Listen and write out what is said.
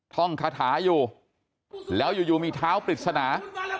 ท่องคาถาอยู่แล้วอยู่มีเท้าปริศนา